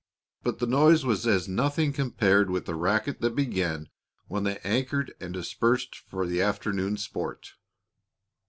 But the noise was as nothing compared with the racket that began when they anchored and dispersed for the afternoon sport.